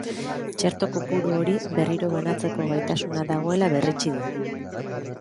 Txerto kopuru hori berriro banatzeko gaitasuna dagoela berretsi du.